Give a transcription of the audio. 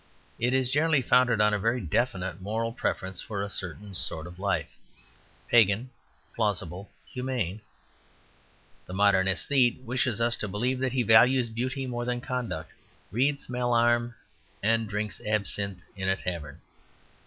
It is generally founded on a very definite moral preference for a certain sort of life, pagan, plausible, humane. The modern aesthete, wishing us to believe that he values beauty more than conduct, reads Mallarme, and drinks absinthe in a tavern.